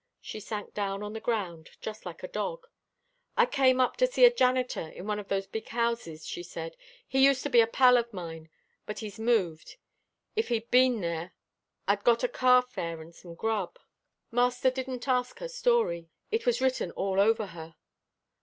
She sank down on the ground, just like a dog. "I came up to see a janitor in one of those big houses," she said, "he used to be a pal of mine, but he's moved. If he'd been there, I'd got a car fare and some grub." Master didn't ask her story. It was written all over her.